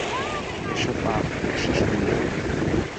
– এসো পাপ, এসো সুন্দরী!